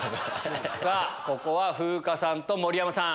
ここは風花さんと盛山さん。